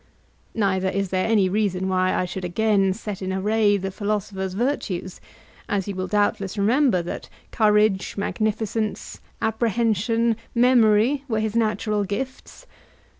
Neither is there any reason why I should again set in array the philosopher's virtues, as you will doubtless remember that courage, magnificence, apprehension, memory, were his natural gifts.